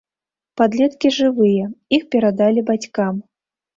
Падлеткі жывыя, іх перадалі бацькам.